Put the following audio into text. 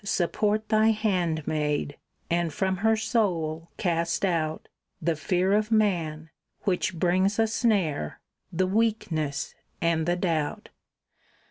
support thy handmaid; and from her soul cast out The fear of man, which brings a snare, the weakness and the doubt."